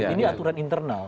ini aturan internal